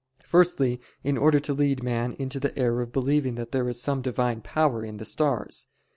Firstly, in order to lead man into the error of believing that there is some Divine power in the stars.